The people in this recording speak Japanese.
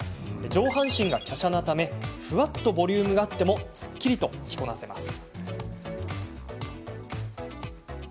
上半身が、きゃしゃなためふわっとボリュームがあってもすっきりと着こなせます。